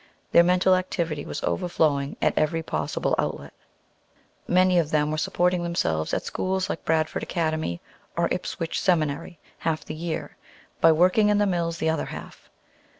Their mental activity was overflowing at every possible outlet. Many of them were supporting themselves at schools like Bradford Academy or Ipswich Seminary half the year, by working in the mills the other half.